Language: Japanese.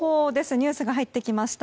ニュースが入ってきました。